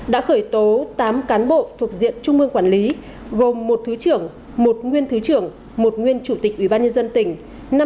đã khởi tố tám cán bộ thuộc diện trung ương quản lý gồm một thứ trưởng một nguyên thứ trưởng một nguyên chủ tịch ủy ban nhân dân tỉnh